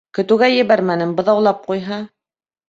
Көтөүгә ебәрмәнем, быҙаулап ҡуйһа...